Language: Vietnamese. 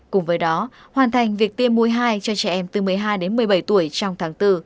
cùng với đó hoàn thành việc tiêm mũi hai cho trẻ em từ một mươi hai đến một mươi bảy tuổi trong tháng bốn